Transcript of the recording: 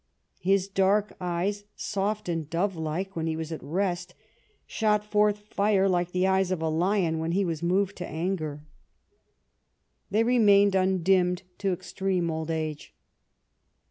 His dark eyes, soft and dovelike when he was at rest, shot forth fire like the eyes of a lion when he was moved to anger. They IV THE KING AND HIS WORK 61 remained undimmed to extreme old age.